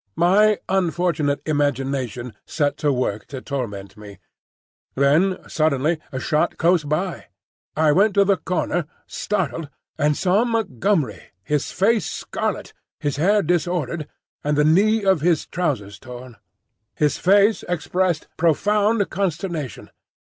My unfortunate imagination set to work to torment me. Then suddenly a shot close by. I went to the corner, startled, and saw Montgomery,—his face scarlet, his hair disordered, and the knee of his trousers torn. His face expressed profound consternation.